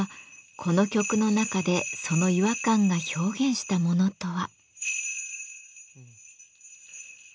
この曲の中でその違和感が表現したものとは。